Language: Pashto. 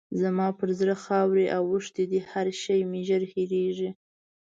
زما پر زړه خاورې اوښتې دي؛ هر شی مې ژر هېرېږي.